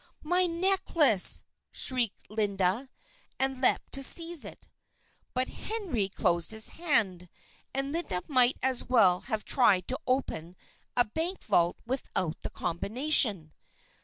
"My necklace!" shrieked Linda, and leaped to seize it. But Henry closed his hand, and Linda might as well have tried to open a bank vault without the combination.